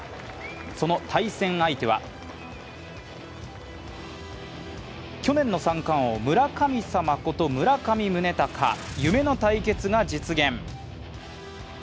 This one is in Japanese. その対戦相手は去年の三冠王・村神様こと村上宗隆夢の対決が実現。